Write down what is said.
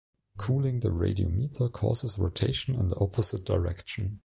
Cooling the radiometer causes rotation in the opposite direction.